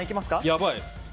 やばい。